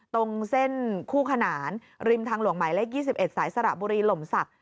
ตรงเส้นคู่ขนานริมทางหลวงหมายเลข๒๑สายสระบุรีหล่มศักดิ